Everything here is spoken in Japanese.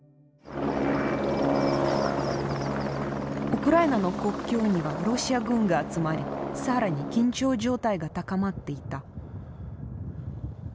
ウクライナの国境にはロシア軍が集まり更に緊張状態が高まっていた。